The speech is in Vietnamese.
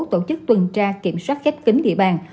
tổ chức tuần tra kiểm soát khép kính địa bàn